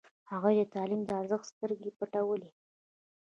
هغوی د تعلیم د ارزښت سترګې پټولې.